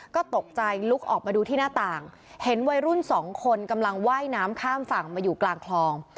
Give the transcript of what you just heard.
ก็ตกใจลุกออกมาดูที่หน้าต่างเห็นวัยรุ่นสองคนกำลังว่ายน้ำข้ามฝั่งมาอยู่กลางคลอง